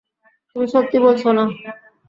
তুমি সত্যি বলছ না।